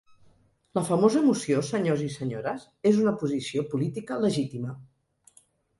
La famosa moció, senyors i senyores, és una posició política legítima.